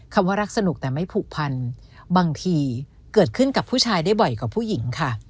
ว่ารักสนุกแต่ไม่ผูกพันบางทีเกิดขึ้นกับผู้ชายได้บ่อยกว่าผู้หญิงค่ะ